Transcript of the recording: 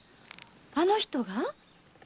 あの人が？